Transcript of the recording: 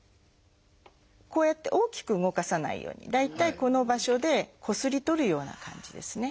こうやって大きく動かさないように大体この場所でこすり取るような感じですね。